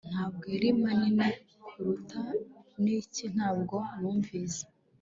Ntabwo yari manini kuruta Niki ntabwo numvise